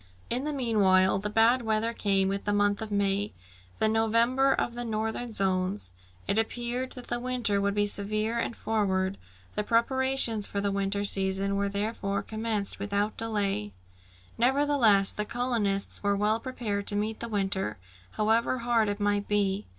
In the meanwhile, the bad weather came with the month of May, the November of the northern zones. It appeared that the winter would be severe and forward. The preparations for the winter season were therefore commenced without delay. [Illustration: RETURNING FROM A SPORTING EXCURSION] Nevertheless, the colonists were well prepared to meet the winter, however hard it might be.